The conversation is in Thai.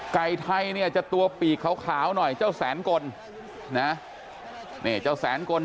ไก่ไทยเนี่ยจะตัวปีกขาวหน่อยเจ้าแสนกลนะนี่เจ้าแสนกล